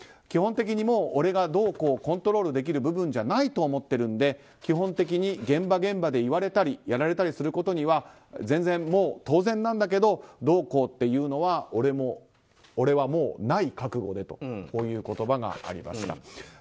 基本的にもう俺がどうこうコントロールできる部分じゃないと思ってるので基本的に現場現場で言われたりやられたりすることには全然もう当然なんだけどどうこうっていうのは俺はもうない覚悟でという言葉がありました。